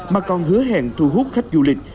mà còn hứa hẹn thu hút khách du lịch